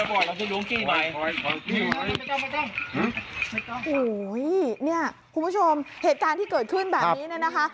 โอ้โหเนี่ยคุณผู้ชมเหตุการณ์ที่เกิดขึ้นแบบนี้เนี่ยนะคะ